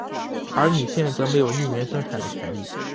而女性则没有匿名生产的权力。